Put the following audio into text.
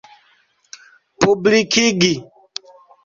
publikigi